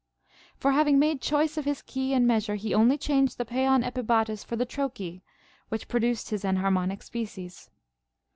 For having made choice of his key and measure, he only changed the paeon epibatos for the trochee, which pro duced his enharmonic species.